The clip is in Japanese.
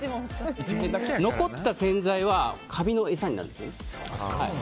残った洗剤はカビの餌になるんです。